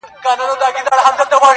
• خو د کلیو په کوڅو کي سرګردان سو -